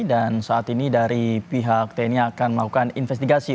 dan saat ini dari pihak tni akan melakukan investigasi